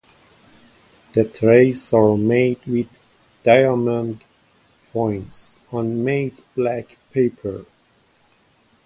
The traces are made with diamond points on matte-black paper.